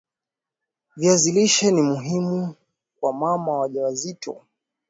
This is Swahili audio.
viazi lishe ni muhimu kwa mama wajawazito